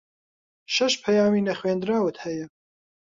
شەش پەیامی نەخوێندراوت ھەیە.